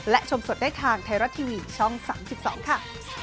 และชมสดได้ทางไทยรัฐทีวีช่อง๓๒ค่ะ